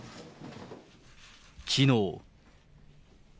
きのう。